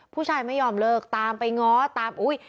ผู้ชายไม่ยอมเลิกตามไปง้อตามอุ๊ย